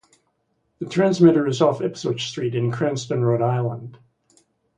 The transmitter is off Ipswich Street in Cranston, Rhode Island.